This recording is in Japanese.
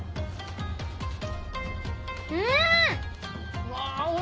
うん！